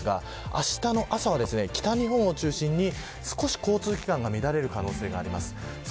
あしたの朝は北日本を中心に少し交通機関が乱れる可能性があります。